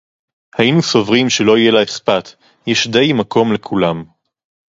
הָיִינוּ סְבוּרִים שֶׁלֹּא יִהְיֶה לָהּ אִיכְפַּת, יֵשׁ דַּי מָקוֹם לְכֻולָּם